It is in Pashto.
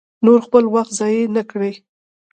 نور خپل وخت ضایع نه کړي.